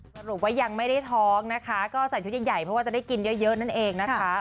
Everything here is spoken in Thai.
สรุปว่ายังไม่ได้ท้องนะคะก็ใส่ชุดใหญ่เพราะว่าจะได้กินเยอะนั่นเองนะคะ